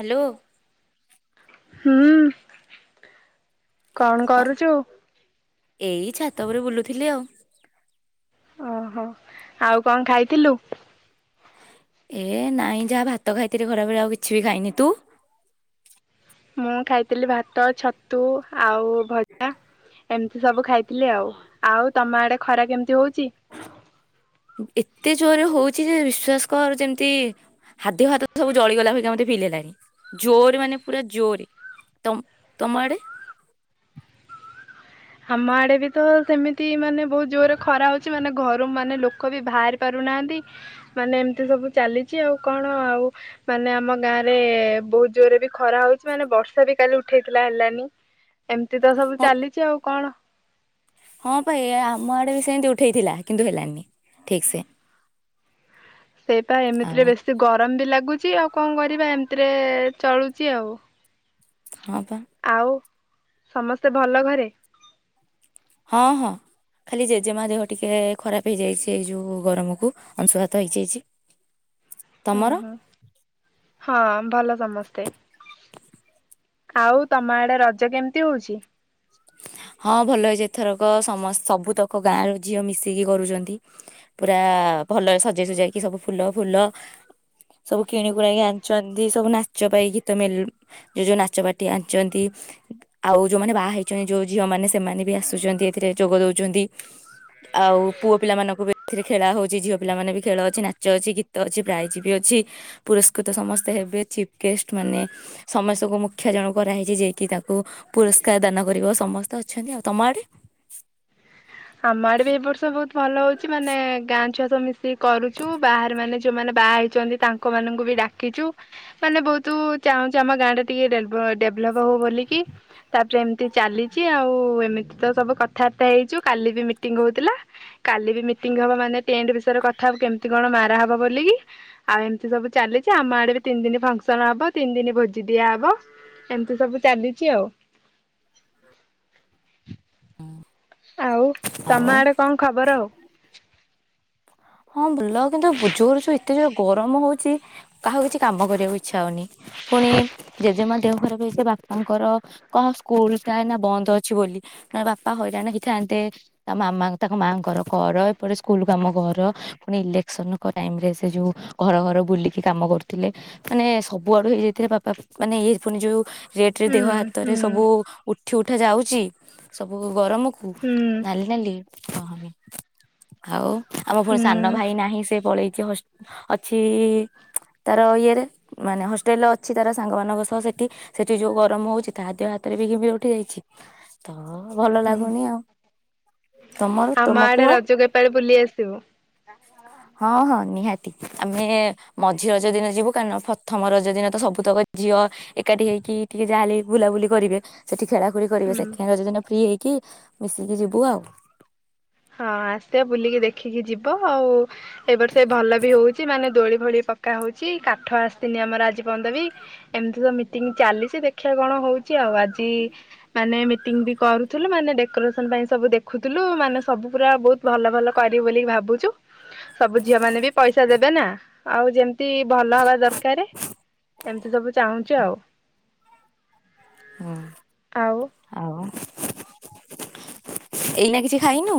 Hello. ହୁଁ। କଣ କ- କରୁଚୁ? ଏଇ ଛାତ ଉପରେ ବୁଲୁଥିଲି ଆଉ। ଓହୋ ଆଉ କଣ ଖାଇଥିଲୁ? ଏ ନାଇଁ ଯାହା ଭାତ ଖାଇଥିଲି ଖରାବେଳେ ଆଉ କିଛି ବି ଖାଇନି, ତୁ? ମୁଁ ଖାଇଥିଲି ଭାତ ଛତୁ ଆଉ ଭଜା। ଏମିତି ସବୁ ଖାଇଥିଲି ଆଉ। ଆଉ ତମ ଆଡେ ଖରା କେମିତି ହଉଛି? ଏତେ ଜୋରରେ ହଉଛି ଯେ ବିଶ୍ଵାସ କର ଯେମିତି ହା ଦିହ ହାତ ସବୁ ଜଳିଗଲା ଭଳିକା ମୋତେ ଫିଲ୍ ହେଲାଣି। ଜୋର ମାନେ ପୁରା ଜୋର ତ ତମ ଆଡ଼େ? ଆମ ଆଡ଼େ ବି ତ ସେମିତି ମାନେ ବହୁତ ଜୋରେ ଖରା ହେଉଚି, ମାନେ ଘରୁ ମାନେ ଲୋକ ବି ବାହାରି ପାରୁନାହାନ୍ତି। ମାନେ ଏମିତି ସବୁ ଚାଲିଛି ଆଉ କଣ ଆଉ ମାନେ ଆମ ଗାଁ ରେ ବହୁତ ଜୋରରେ ବି ଖରା ହଉଛି ମାନେ ବର୍ଷା ବି କାଲି ଉଠେଇଥିଲା ହେଲାନି। ଏମିତି ତ ସବୁ ହଁ ଚାଲିଛି ଆଉ କଣ? ହଁ ଭାଇ ଆମ ଆଡେ ବି ସେମତି ଉଠେଇଥିଲା କିନ୍ତୁ ହେଲାନି ଠିକ ସେ। ସେଇପା ଆଉ ଏମିତିରେ ବସ୍ତ ସେ ଗରମ ବି ଲାଗୁଛି ଆଉ କଣ କରିବା ଏମିତିରେ ଚଳୁଚି ଆଉ। ହଁ ପା। ଆଉ ସମସ୍ତେ ଭଲ ଘରେ? ହଁ ହଁ। ଖାଲି ଜେଜେମା ଦେହ ଟିକେ ଖରାପ ହେଇଯାଇଚି, ଏଇ ଯୋଉ ଗରମକୁୁ ଅଂଶୁଘାତ ହେଇଚି। [inaudible] ହୁଁ ହୁଁ ହଁ ଭଲ ସମସ୍ତେ। ଆଉ ତମ ଆଡେ ରଜ କେମିତି ହୋଉଚି? ହଁ ଭଲ ହେଇଛି ଏଥରକ ସମ ସବୁତକ ଗାଁ ର ଝିଅ ମିଶିକି କରୁଛନ୍ତି। ପୁରା ଭଲରେ ସଜେଇ ସଜେଇକି ସବୁ ଫୁଲ ଫୁଲ ସବୁ କିଣକୁକ ଗାଣିଛନ୍ତି ସବୁ ନାଚ ପାଇଁ ଗୀତ ମ ଯ ଯୋଉ ନାଚ ବାଟି ଆଣିଛନ୍ତି ଆଉ ଯୋଉମାନେ ବାହା ହେଇ ଯୋଉ ଝିଅ ମାନେ ସେମାନେ ବି ଆସୁଛନ୍ତି ଏଥିରେ ଯୋଗ ଦୋଉଚନ୍ତି ଆଉ ପୁଅ ପିଲା ମାନଙ୍କୁ ବି ଏଥିରେ ଖେଳ ହୋଉଚି ଝିଅ ପିଲା ମାନେ ବି ଖେଳ ଅଛି ନାଚ ଅଛି ଗୀତ ଅଛି ପ୍ରାଇଜ ବି ଅଛି ପୁରସ୍କୃତ ସମସ୍ତେ ହେବେ ଚିଫ୍ ଗେଷ୍ଟ ମାନେ ସମସ୍ତଙ୍କୁ ମୁଖ୍ୟ ଜଣ କରାହେଇଛି ଯିଏକି ତାଙ୍କୁ ପୁରସ୍କାର ଦାନ ଗରିବ ସମସ୍ତେ ଅଛନ୍ତି ଆଉ ତମ ଆଡ଼େ? ଆମ ଆଡେ ବି ଏ ବର୍ଷ ବୋହୁତ ଭଲ ହୋଉଚି ମାନେ ଗାଁ ଛୁଆସ ମିଶିକି କରୁଚୁ, ବାହାରେ ମାନେ ଯୋଉମାନେ ବାହା ହେଇଛନ୍ତି। ତାଙ୍କ ମାନଙ୍କୁ ବି ଡାକିଚୁ। ମାନେ ବୋହୁତ ଚାହୁଁଛୁ ଆମ ଗାଁ ଟା ଟିକେ ଡେ ଡେଭଲପ ହଉ ବୋଲି। ତାପରେ ଏମିତି ଚାଲିଛି ଆଉ ଏମିତି ତ ସବୁ କଥାବାର୍ତ୍ତା ହେଇଛୁ କାଲି ବି ମିଟିଙ୍ଗ ହୋଉଥିଲା। କାଲି ବି ମିଟିଂ ହବ ମାନେ ଟେଣ୍ଟ ବିଷୟରେ କଥା ବ କେମିତି କଣ ମାରା ହବ ବୋଲି। ଆଉ ଏମିତି ସବୁ ଚାଲିଛି ଆମ ଆଡେ ବି ତିନି ଦିନ ଫଙ୍କସନ ହବ ତିନି ଦିନ ଭୋଜି ଦିଆହବ। ଏମିତି ସବୁ ଚାଲିଚି ଆଉ। ଆଉ ତମ ଆଉ ଆଡେ କଣ ଖବର ଆଉ? ହଁ ବୁଲ କିନ୍ତୁ ଏତେ ଯୋ ଗରମ ହଉଛି କାହାକୁ କିଛି କାମ କରିବାକୁ ଇଚ ଇଛା ହୋଉନି ପୁଣି ଜେଜେମା ଦେହ ଖରାପ ହେଇଥିଲା। ତାମଙ୍କର କଣ ସ୍କୁଲ ଟା ନା ବନ୍ଦ ଅଛି ବୋଲି ନ ବାପା ହଇରାଣ ହେଇଥାନ୍ତେ। ତା ମାମା ତାଙ୍କ ମାଆଙ୍କର କର ଏପଟ ସ୍କୁଲ କୁ କାମ କର। ପୁଣି ଇଲେକ୍ସନ ଟାଇମ ରେ ସେ ଯୋଉ ଘର ଘର ବୁଲିକି କାମ କରୁଥିଲେ। ମାନେ ସବୁଆଡୁ ହେଇଯାଇଥିଲେ ବାପା ମାନେ ଏଇ ପୁଣି ଯୋଉ ରେଟ ରେ ହୁଁ ଦେହ ହାତରେ ହୁଁ। ସବୁ ଉଠି ଉଠା ଯାଉଛି ସବୁ ଗରମ ହୁଁ ନାଲି ନାଲି କହନ ଆଉ ଆମ ପୁଣି ସାନ ହୁଁ ଭାଇ ନାହିଁ ସେ ପଳେଇଚି ହସ୍ ଅଛି ତାର ଇଏରେ ମାନେ ହଷ୍ଟେଲ ଅଛି ତାର ସାଙ୍ଗମାନଙ୍କ ସହ ସେଠି ସେଠି ଯୋଉ ଗରମ ହୋଉଚି ତାହା ହାତରେ ବି ଘିି ଉଠି ଯାଇଚି। ତ ଭଲ ହୁଁ ଲାଗୁନି ଆଉ ତମର ଆମ ତମ ଆଡେ ପୁଅ। ରଜକୁ ଏପାଳି ବୁଲି ଆସିବୁ। ହଁ ହଁ ନିହାତି। ଆମେ ମଝି ରଜ ଦିନ ଯିବୁ କାରଣ ପଥମ ରଜ ଦିନ ତ ସବୁତକ ଝିଅ ଏକାଠି ହେଇକି ଟିକେ ଯାହା ହେଲେବି ବୁଲାବୁଲି କରିବେ। ସେଠି ଖେଳାଖୁଳି କରିବେ ହୁଁ ସେକେଣ୍ଡ୍ ରଜଦିନ ଫ୍ରି ହେଇକି ମିଶିକି ଯିବୁ ଆଉ ହଁ ଆସିବ ବୁଲିକି ଦେଖିକି ଯିବ ଆଉ ଏ ବର୍ଷ ବି ଭଲ ବି ହଉଚି ମାନେ ଦୋଳି ଭୋଳି ପ କା ହଉଚି କାଠ ଆସ୍ତିନି ଆମର ଆଜି ବନ୍ଦବୀ। ଏମ୍ତି ତ ମିଟିଂ ଚାଲିଛି ଦେଖିଆ କଣ ହଉଛି ଆଉ ଆଜି ମାନେ ମିଟିଂ ବି କରୁଥୁଲୁ ମାନେ ଡେକୋରେସନ୍ ପାଇଁ ସବୁ ଦେଖୁଥୁଲୁ ମାନସ୍ ସବୁ ପୁରା ବହୁତ ଭଲ ଭଲ କରିବି ବୋଲି ଭାବୁଛୁ ସବୁ ଝିଅ ମାନେ ବି ପଇସା ଦେବେ ନା। ଆଉ ଯେମ୍ତି ଭଲ ହବା ଦର୍କାରେ ଏମ୍ତି ସବୁ ଚାହୁଁଚୁ ଆଉ। ହୁଁ ଆଉ। ଆଉ ଏଇନା କିଛି ଖାଇନୁ।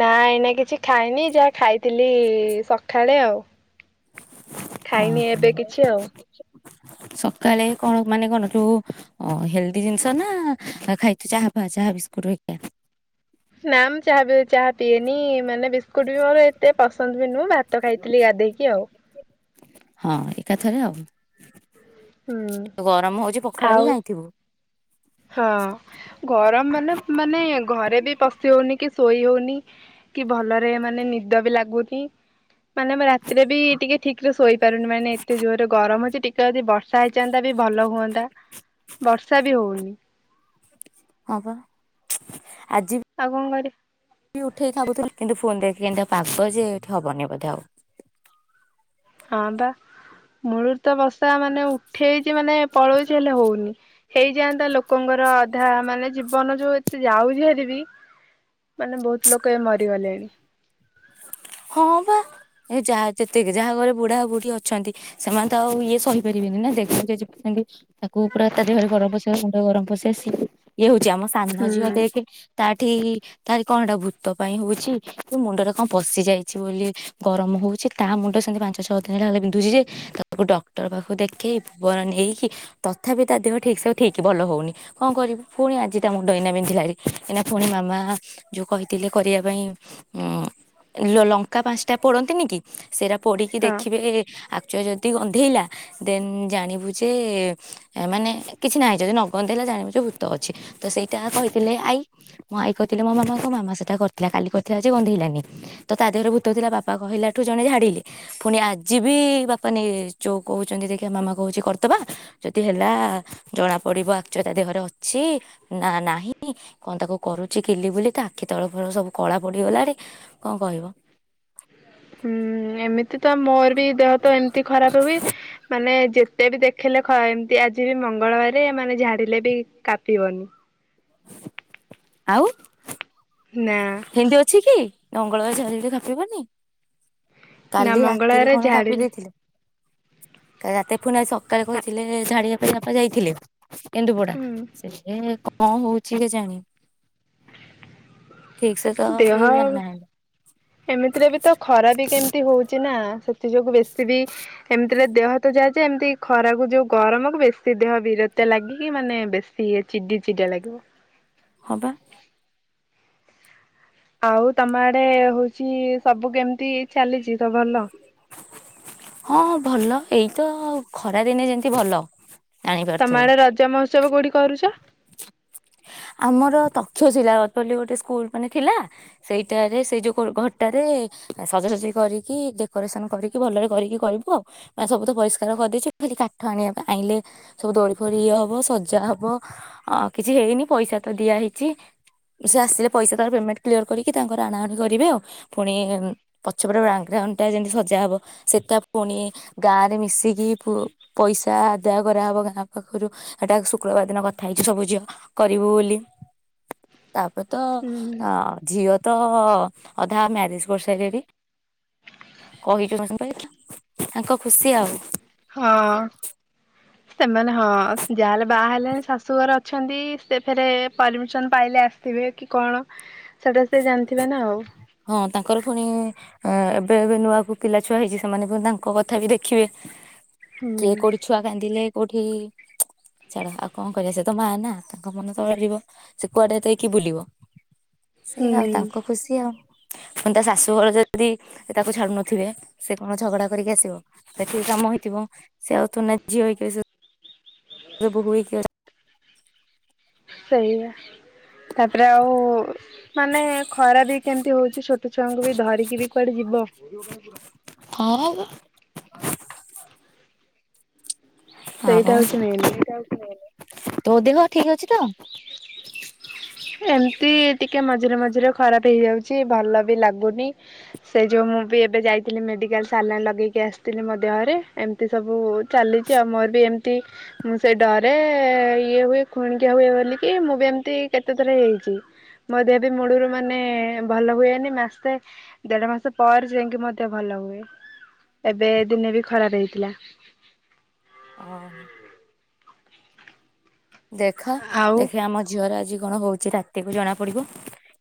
ନା ଏଇନା କିଛି ଖାଇନି ଯାହା ଖାଇଥିଲି ସକାଳେ ଆଉ। ଅହ ଖାଇନି ଏବେ କିଛି ଆଉ। ସକାଳେ କଣ ମାନେ କଣ ଯୋଉ ଓ ହେଲ୍ଦି ଜିନିଷ ନା ଖାଇଚୁ ଚାହା ଫାଆ ଚାହା ବିସ୍କୁଟ୍ ହେର୍କା। ନା ମୁ ଚାହା ବ୍ ଚାହା ପିଏନି ମାନେ ବିସ୍କୁଟ ବି ମୋର ଏ ଏତେ ପସନ୍ଦ୍ ବି ନୁହଁ ଭାତ ଖାଇଥିଲି ଗାଧେଇକି ଆଉ। ହଁ ଏକାଥରେ ଆଉ, ହୁଁ ଗରମ ହଉଚି ପଖାଳ ଆଉ ବି ଖାଇଥିବୁ। ହଁ ଗରମ୍ ମାନେ ମାନେ ଘରେ ବି ପଶି ହଉନି କି ଶୋଇ ହଉନି। କି ଭଲରେ ମାନେ ନିଦ ବି ଲାଗୁନି। ମାନେ ମୁଁ ରାତିରେ ବି ଟିକେ ଠିକ୍ ରେ ଶୋଇପାରୁନି ମାନେ ଏତେ ଜୋରରେ ଗରମ୍ ଯେ। ଟିକେ ଯଦି ବର୍ ର୍ଷା ହେଇଚାନ୍ଦା ବି ଭଲ ହୁଅନ୍ତା। ବର୍ଷା ବି ହଉନି। ହଁ ପା ଆଜି ଆଉ କଂ କରିବ। ଉଠେଇ ଭାବୁଥିଲି, କିନ୍ତୁ ଫୋନ ଦେଖେ କେମ୍ତିଆ ପାଗ ଯେ ଏଠି ହବନି ବୋଧେ ଆଉ। ହଁ ବା ମୂଳରୁ ତ ବର୍ଷା ମାନେ ଉଠେଇଚି ମାନେ ପଳଉଚି ହେଲେ ହଉନି। ହେଇଯାଆନ୍ତା ଲୋକଙ୍କର ଅଧା ମାନେ ଜୀ ଜୀବନ ଯୋଉ ଏତେ ଯାଉଛି ହାରିବିି ମାନେ ବହୁତ୍ ଲୋକ ଏ ମରିଗଲେଣି। ହଁ ବା ଏ ଯାହା ଯେତ୍କି ଯାହା ଘରେ ବୁଢା ବୁଢ଼ୀ ଅଛନ୍ତି ସେମାନେ ତ ଆଉ ଇଏ ସହିପାରିବେନି ନା [unintelligible] ତାକୁ ପୁରା ତା ଦେହରେ ଗରମ ପଶିବା ମୁଣ୍ଡ ଗରମ ପଶି ଆସି ଇଏ ହଉଛି ଆମ ସାନ ଝିଅ ହୁଁ ଦେଖେ ତାଠି ତାର କଣଟା ଭୂତ ପାଇଁ ହଉଚି କି ମୁଣ୍ଡରେ କଣ ପଶିଯାଇ ଛି ବୋଲି ଗରମ ହଉଚି ତା ମୁଣ୍ଡ ସେମିତି ପାଞ୍ଚ ଛଅ ଦିନ୍ ହେ ହେଲା ବିନ୍ଧୁଛି ଯେ। ତାକୁ ଡକ୍ଟର ପାଖକୁ ଦେଖେଇ ପ ନେଇକି ତଥାପି ତା ଦେହ ଠିକ୍ସେ ଠିକ୍ ଭଲ ହଉନି। କଣ କରିବି ପୁଣି ଆଜିଟା ମୁଣ୍ଡ ଇନା ବିିନ୍ଧିଲାଣି ଏଇନା ପୁଣି ମାମା ଯୋଉ କହିଥିଲେ କରିବା ପାଇଁ। ଉଁ [inaudible] ଲ ଲଙ୍କା ପାଁସ୍ଟା ପୋଡନ୍ତିନି କି ସେଇଟା ପୋଡିକି ହଁ ଦେଖିବେ ଆକ୍ଚୁଆ ଯଦି ଗନ୍ଧେଇଲା ଦେନ୍ ଜାଣିବୁ ଯେ ମାନେ କିଛି ନାହିଁ ଯଦି ନଗନ୍ଧେଇଲା ଜାଣିବୁ ଯେ ଭୂତ ଅଛି ତ ସେଇଟା କହିଥିଲେ ଆଇ। ମଁ ଆଇ କହିଥିଲେ ମୋ ମାମା କ ମାମ ସେଟା କରିଥିଲା କାଲି କରିଥିଲା ଯେ ଗନ୍ଧେଇଲାନି ତ ତା ଦେହରେ ଭୁ ତ ଥିଲା ବାପା କହିଲାଠୁ ଜଣେ ଝାଡ଼ିଲେ ପୁଣି ଆଜି ବି ବାପା ନେଇ ଯୋଉ କହୁଛନ୍ତି ଦେଖିବା ମାମା କହୁଚି କର୍ଦବା ଯଦି ହେଲା ଜଣା ପଡିବ ଆକ୍ଚ ତା ଦେହରେ ଅଛି ନା ନାହିଁ। କଣ ତାକୁ କରୁଛି କିଲି ବିଲି ତା ଆଖି ତଳ ଫଳ ସବୁ କଳା ପଡିଗଲାଣି କଣ କହିବ। [inaudible] ହୁଁ ଏମିତି ତ ମୋର ବି ଦେହ ତ ଏମିତି ଖରାପ ହୁଏ ମାନେ ଯେ ତେ ବି ଦେଖେଇଲେ ଏମ୍ତି ଆଜି ବି ମଙ୍ଗଳବାରେ ମାନେ ଝାଡ଼ିଲେ ବି କାପିବନି। [inaudible] ଆଉ ନା। ହେନ୍ତି ଅଛି କି ମଙ୍ଗଳବ ଝରିଲେ କାପିବନି। ନା କାଲି ରାତିରେ ମଙ୍ଗଳବାରେ କଣ କାପି ଝାଡିଲେ ଦେଇଥିଲେ। କା ରାତି ଫୁଣି ଆ ସକାଳେ ଆ କହିଥିଲେ ଝାଡିବା ପାଇଁ ବାପା ଯାଇଥିଲେ କେନ୍ଦୁପଡା ହୁଁ ସେ ଏ କଣ ହଉଛି କେ ଜାଣି? ଠିକ ସେ ତ କେହି ଜାଣି ଦେହ ନା ହେଲେ। ଏମିତିରେ ବି ତ ଖରା ବି କେମତି ହଉଛି ନା ସେଥି ଯୋଗୁ ବେଶୀ ବି ଏମିତି ତରେ ଦେହ ତ ଯାହା ଯା ଏମିତି ଖରାକୁ ଯୋଉ ଗରମକୁ ବେଶୀ ଦେହ ବିରକ୍ତିଆ ଲାଗିକି ମାନେ ବେଶୀ ସିଏ ଚିଡି ଚିଡା ଲାଗିବ। ହଁ ବା। ଆଉ ତମ ଆଡେ ହଉଛି ସବୁ କେମିତି ଚାଲିଛି ତ ଭଲ। ହଁ ଭଲ ଏଇତ ଖରା ଦିନେ ଯେମିତି ଭଲ ତମ ଜାଣିପାରୁଥିବୁ। ଆଡେ ରଜ ମହୋତ୍ସବ କୋଉଠି କରୁଚ। ଆମର ତଥ୍ୟଶିଳା ବୋଲି ଗୋଟେ ସ୍କୁଲ ମାନେ ଥିଲା ସେଇଟାରେ ସେଇ ଯୋଉ କୋ ଘରଟାରେ ସଜାସଜି କରିକି ଡେକୋରେସନ କରିକି ଭଲରେ କରିକି କିରିବୁ ଆଉ ଅ ସବୁ ତ ପରିଷ୍କାର କରିଦେଇଛି ଖାଲି କାଠ ଆଣିବା ପାଇଁ ଆଣିଲେ ସବୁ ଦୋଳି ଫୋଳି ଇଏ ହବ ସଜା ହବ ଆ କିଛି ହେଇନି ପଇସା ତ ଦିଆ ହେଇଚି ସେ ଆସିଲେ ପଇସା ତାର ପେମଣ୍ଟ କ୍ଲିୟର କରିକି ତାଙ୍କର ଆଣାଉଣି କରିବେ ଆଉ। ପୁଣି ପଛ ପଟ ବାଗ୍ରାଉଣ୍ଡଟା ଯେମିତି ସଜା ହବ ସେଟା ପୁଣି ଗାଁରେ ମିଶିକି ପୁଅ ପଇସା ଆଦାୟ କରାହେବ ଗାଁ ପାଖରୁ ହେଟା ଶୁକ୍ରବାର ଦିନ କଥା ହେଇଚୁ ସବୁ ଝିଅ କରିବୁ ବୋଲି। [inaudible] ତାପରେ ତ ହୁଁ ଅ ଝିଅ ତ ଅଧା ମ୍ୟାରେଜ କରିସାରିଲେଣି କହିଚୁ ସମସ୍ତଙ୍କୁ। ତାଙ୍କ ଖୁସି ଆଉ। ହଁ। ସେମାନେ ହଁ ଯାହାହେଲେ ବାହା ହେଲେଣି ଶାଶୁଘର ଅଛନ୍ତି ସେ ଫେରେ ପରମିସନ ପାଇଲେ ଆସ ସିବେ କି କଣ ସେଟା ସେ ଜାଣିଥିବ ନା ଆଉ। ହଁ ତାଙ୍କର ପୁଣି ଆ ଏବେ ଏବେ ନୂଆକୁ ପିଲା ଛୁଆ ହେଇଛି ସେମାନେ ତାଙ୍କ କଥା ବି ଦେଖିବେ କିଏ ହୁଁ। କୋଉଠି ଛୁଆ କାନ୍ଦିଲେ କୋଉଠି ଛାଡ ଆଉ କଣ କରିବା ସେ ତ ମା ନା ତାଙ୍କ ମନ ତରଳିବ ସେ କୁଆଡେ ଦେଇକି ବୁଲିବ ସେ ହୁଁ ଆଉ ତାଙ୍କ ଖୁସି ଆଉ। ଫୁଣି ତା ଶାଶୁଘର ଯଦି ତାକୁ ଛାଡ଼ୁନଥିବେ ସେ କଣ ଝଗଡ଼ା କରିକି ଆସିବ। ସେଠି କି କାମ ହେଇଥିବ ସେ ଆଉ ଥୋଡିନା ଝିଅ ହେଇକି ଆସିବ। ସେ ବୋହୁ ହେଇକି ଆ ସେଇବା। ତାପରେ ଆଉ ମାନେ ଖରା ବି କେମିତି ହଉଛି ଛୋଟ ଛୁଆଙ୍କୁ ବି ଧରିକି ବି କୁଆଡେ ଯିବ। ଖରା ଜୋ ସେଇଟା ଆଉ ହଉଛି ମେନ୍ ତୋ ଦେହ ଠିକ ଅଛି ତ। ଏମିତି ଟିକେ ମଝିରେ ମଝିରେ ଖରାପ ହେଇଯାଉଛି ଭଲ ବି ଲାଗୁନି। ସେ ଯୋଉ ମୁଁ ବି ଏବେ ଯାଇଥିଲି ମେଡ଼ିକାଲ ସାଲାଇନ ଲଗେଇକି ଆସିଥିଲି ମୋ ଦେହରେ ଏମ ମିତି ସବୁ ଚାଲିଛି ଆଉ ମୋର ବି ଏମିତି ମୁଁ ସେଇ ଡରେ ଇଏ ହୁଏ ଖୁଣିକିଆ ହୁଏ ବୋଲିକି ମୁଁ ବି ଏମିତି କେତେଥର ହେଇଛି ମୋ ଦେହ ବି ମୁଳରୁ ମାନେ ଭଲ ହୁଏନି ମାସେ ଦେଢ ମାସ ପରେ ଯାଇକି ମୋ ଦେହ ଭଲ ହୁଏ ଏବେ ଦିନେ ବି ଖରାପ ହେଇଥିଲା। ଅ ହଁ। ଦେଖା ଆଉ ଦେଖିବା ଆମ ଝିଅର ଆଜି କଣ ହଉଛି ରାତିକୁ ଜଣା ପଡ଼ିବ।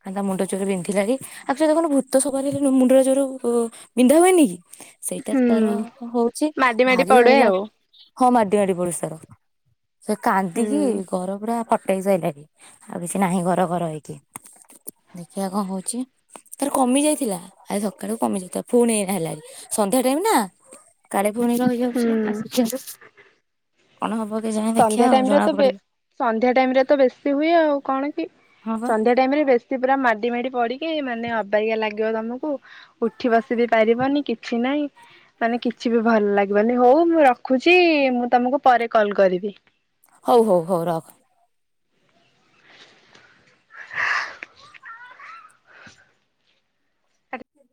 କାହିଁକି ନା ମୁଣ୍ଡ ଜୋରେ ବିନ୍ଧିଲାଣି। [unintelligible] ଦେଖୁନୁ ଭୂତ ସବାର ହେଲେନୁ ମୁଣ୍ଡଟା ଜୋରେ ଉଁ ବିନ୍ଧା ହୁଏ ନି କି? ସେଇଟା ହୁଁ ତାର ହୋଉଛି ମାଡି ମାଡି ଭାରି ପଡେ ଭାରି ଆଉ ଲାଗୁ କ ମାଡି ମାଡି ପଡୁଛି ତାର ସେ ହୁଁ କାନ୍ଦିକି ଘର ପୁରା ଫଟେଇ ସାଇଲାଣି ଆଉ କିଛି ନାହିଁ ଘର ଘର ହେଇକି ଦେଖିଆ କଁ ହୋଉଛି। ତାର କମି ଯାଇଥିଲା ଆଜି ସକାଳୁ କମି ଯାଇଥିଲା ଫୁଣି ଏଇନା ହେଲାଣି ସନ୍ଧ୍ୟା ଟାଇମ ନା କାଳେ ଫୁଣି ହୁଁ ରହିଯାଉଛି [unintelligible] କଣ ହବ କେଜାଣି ଦେଖିଆ ସନ୍ଧ୍ୟା ଆଉ ଟାଇମ ରେ ଜଣା ତ ବେ ପଡିବ ସନ୍ଧ୍ୟା ଟାଇମ ରେ ତ ବେଶୀ ହୁଏ ଆଉ କଣ କି ହଁ ବା ସନ୍ଧ୍ୟା ଟାଇମ ରେ ବେଶୀ ପୁରା ମାଡି ମାଡି ପଡିକି ମାନେ ଅବାଗିଆ ଲାଗିବ ତମୁକୁ ଉଠି ବସି ବି ପାରିବନି କିଛି ନାଇଁ। ମାନେ କିଛି ବି ଭଲ ଲାଗିବନି ହୋଉ ମୁଁ ରଖୁଛି ମୁଁ ତମୁକୁ ପରେ କଲ କରିବି। ହୋଉ ହୋଉ ହୋଉ ରଖ।